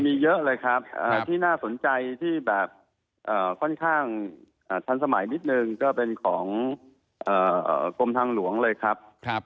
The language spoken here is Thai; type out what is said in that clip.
มีเยอะเลยครับที่น่าสนใจที่แบบค่อนข้างทันสมัยนิดนึงก็เป็นของกรมทางหลวงเลยครับ